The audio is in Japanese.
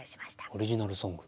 オリジナルソング。